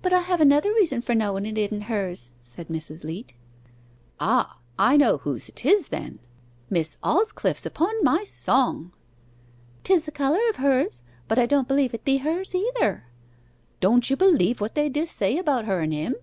'But I have another reason for knowing it idn' hers,' said Mrs. Leat. 'Ah! I know whose it is then Miss Aldclyffe's, upon my song!' ''Tis the colour of hers, but I don't believe it to be hers either.' 'Don't you believe what they d' say about her and him?